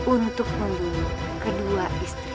untuk membunuh kedua istri